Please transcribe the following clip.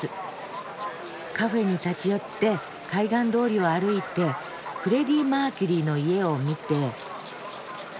カフェに立ち寄って海岸通りを歩いてフレディ・マーキュリーの家を見て。